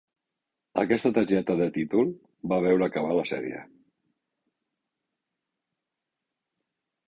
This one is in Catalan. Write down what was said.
Aquesta targeta de títol va veure acabar la sèrie.